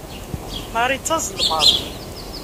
Marie d tazelmaḍt.